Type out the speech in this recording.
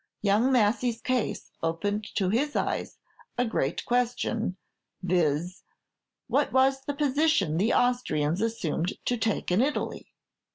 Young Massy's case opened to his eyes a great question, viz., what was the position the Austrians assumed to take in Italy?